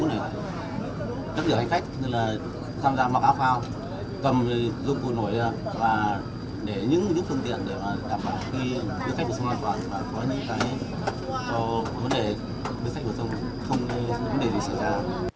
chấp nhận hành khách tham gia mặc áo phao cầm dụng cụ nổi và để những phương tiện để đảm bảo khi đưa khách vào trường an toàn và có những vấn đề không để gì xảy ra